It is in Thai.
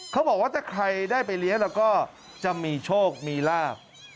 เขาบอกว่าถ้าใครได้ไปเลี้ยงแล้วก็จะมีโชคมีลาบ